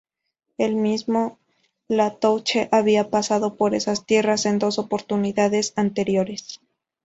El mismo La Touche había pasado por esas tierras en dos oportunidades anteriores.